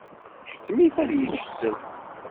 Tḥettem-it ad yečč sselq.